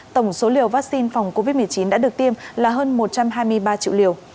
tổng số liều vaccine phòng covid một mươi chín đã được tiêm là hơn một trăm hai mươi ba triệu liều